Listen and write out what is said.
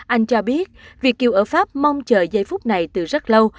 anh cho biết việt kiều ở pháp mong chờ giây phút này từ rất lâu